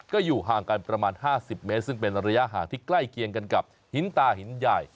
ก็อยู่ห่างกันประมาณ๕๐เมตรซึ่งเป็นระยะห่างที่ใกล้เคียงกันกับหินตาหินใหญ่